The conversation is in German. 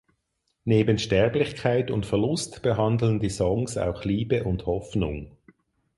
Neben Sterblichkeit und Verlust behandeln die Songs auch Liebe und Hoffnung.